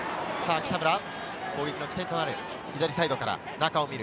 北村、攻撃の起点となる左サイドから中を見る。